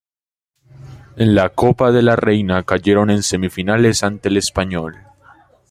En la Copa de la Reina cayeron en semifinales ante el Espanyol.